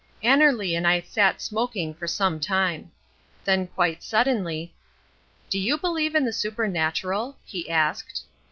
Annerly and I sat smoking for some time. Then quite suddenly— "Do you believe in the supernatural?" he asked.